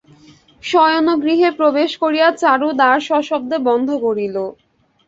শয়নগৃহে প্রবেশ করিয়া চারু দ্বার সশব্দে বন্ধ করিল।